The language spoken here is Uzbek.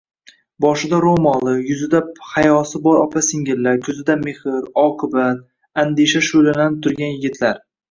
Boshida roʻmoli, yuzida hayosi bor opa-singillar, koʻzida mehr, oqibat, andisha shuʼlalanib turgan yigitlar...